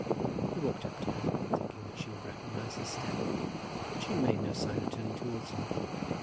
He walked up to her, thinking that she would recognize his step; but she made no sign of turning towards him.